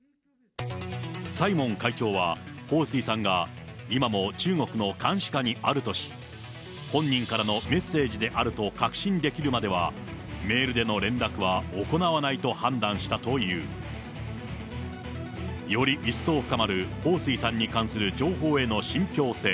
サイモン会長は彭帥さんが今も中国の監視下にあるとし、本人からのメッセージであると確信できるまでは、メールでの連絡は行わないと判断したという。より一層深まる彭帥さんに関する情報への信ぴょう性。